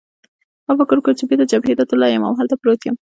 ما فکر وکړ چې بېرته جبهې ته تللی یم او هلته پروت یم.